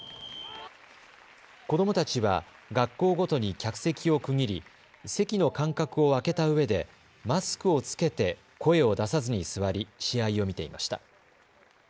子どもたちは学校ごとに客席を区切り席の間隔を空けたうえでマスクを着けて声を出さずに座り試合を見ていました。